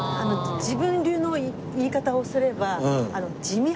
自分流の言い方をすれば。